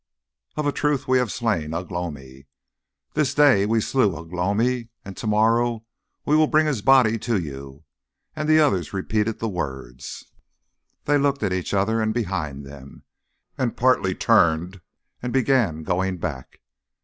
Of a truth we have slain Ugh lomi. This day we slew Ugh lomi, and to morrow we will bring his body to you." And the others repeated the words. They looked at each other and behind them, and partly turned and began going back.